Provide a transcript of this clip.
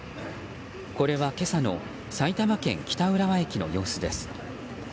これは今朝の埼玉県北浦和駅の様子です。